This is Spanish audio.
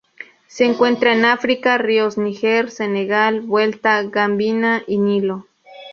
Se encuentran en África: ríos Níger, Senegal, Vuelta, Gambia y Nilo.